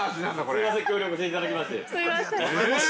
◆すみません、協力していただきまして。